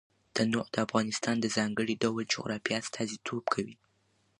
تنوع د افغانستان د ځانګړي ډول جغرافیه استازیتوب کوي.